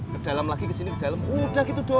ke dalam lagi kesini ke dalam udah gitu doang